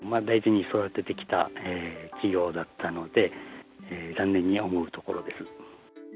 大事に育ててきた稚魚だったので、残念に思うところです。